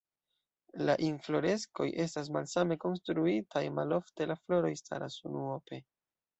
La infloreskoj estas malsame konstruitaj, malofte la floroj staras unuope.